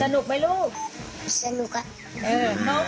หนูได้มาจากไหนครับกระดิกหูเนี่ย